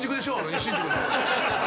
西新宿の。